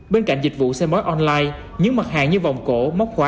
bên cạnh dịch vụ xem bói online những mặt hàng như vòng cổ